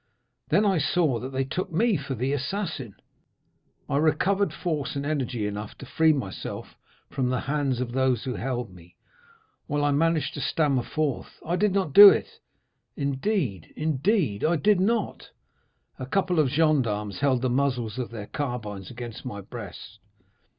"Then I saw that they took me for the assassin. I recovered force and energy enough to free myself from the hands of those who held me, while I managed to stammer forth: "'I did not do it! Indeed, indeed I did not!' "A couple of gendarmes held the muzzles of their carbines against my breast.